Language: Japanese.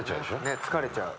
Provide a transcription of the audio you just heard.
ねえ疲れちゃう。